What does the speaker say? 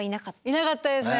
いなかったですね。